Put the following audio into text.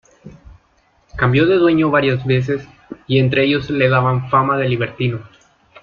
Cambió de dueño varias veces y entre ellos le daban fama de libertino.